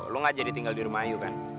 kamu nggak jadi tinggal di rumah ayu kan